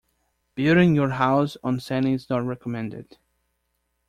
Building your house on sand is not recommended.